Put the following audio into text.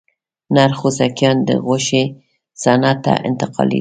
نر خوسکایان د غوښې صنعت ته انتقالېږي.